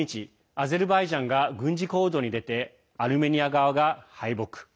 アゼルバイジャンが軍事行動に出てアルメニア側が敗北。